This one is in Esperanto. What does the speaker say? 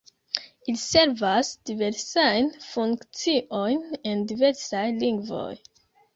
Ili servas diversajn funkciojn en diversaj lingvoj.